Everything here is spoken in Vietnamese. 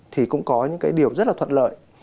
thì cũng có những điều rất là thuận lợi